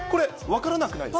分からない。